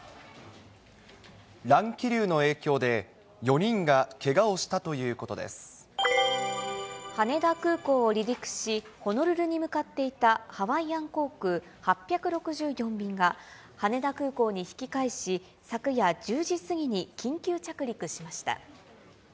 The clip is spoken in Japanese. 乱気流の影響で、４人がけが羽田空港を離陸し、ホノルルに向かっていたハワイアン航空８６４便が、羽田空港に引き返し、昨夜１０時過ぎに緊急着陸しました。